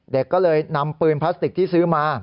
เด็กก็เลยนำปืนพลาสติกที่ซื้อมา